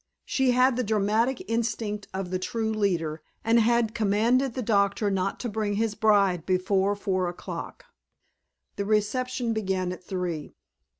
She had the dramatic instinct of the true leader and had commanded the doctor not to bring his bride before four o'clock. The reception began at three.